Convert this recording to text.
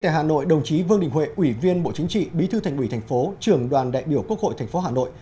hà nội đồng chí vương đình huệ ủy viên bộ chính trị bí thư thành ủy thành phố trường đoàn đại biểu quốc hội thành phố hà nội